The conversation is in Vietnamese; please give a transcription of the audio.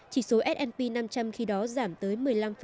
chỉ số s p năm trăm linh khi đó giảm tới một mươi năm